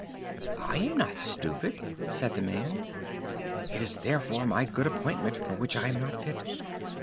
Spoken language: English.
"I am not stupid," said the man. "It is therefore my good appointment for which I am not fit.